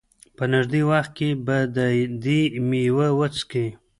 په نېږدې وخت کې به د دې مېوه وڅکي.